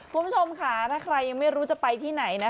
คุณผู้ชมถ้าใครยังไม่รู้จะไปที่ไหน